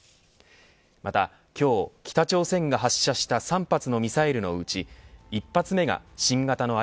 また、今日北朝鮮が発射した３発のミサイルのうち１発目が新型のＩＣＢＭ